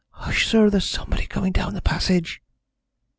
"Hush, sir, there's somebody coming down the passage."